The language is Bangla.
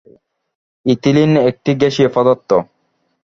ইথিলিন একটি গ্যাসীয় পদার্থ।